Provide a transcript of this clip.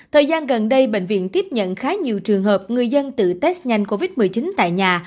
thời gian gần đây bệnh viện tiếp nhận khá nhiều trường hợp người dân tự test nhanh covid một mươi chín tại nhà